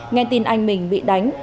nghe tin anh mình bị đánh